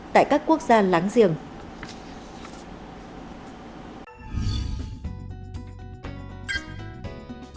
tại các quốc gia lãnh đạo